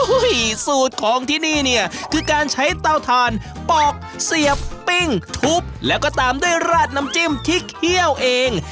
สูตรของที่นี่เนี่ยคือการใช้เตาถ่านปอกเสียบปิ้งทุบแล้วก็ตามด้วยราดน้ำจิ้มที่เคี่ยวเอง